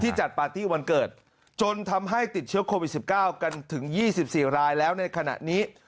จัดปาร์ตี้วันเกิดจนทำให้ติดเชื้อโควิด๑๙กันถึง๒๔รายแล้วในขณะนี้